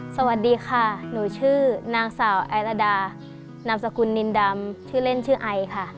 สวัสดีค่ะหนูชื่อนางสาวไอรดานามสกุลนินดำชื่อเล่นชื่อไอค่ะ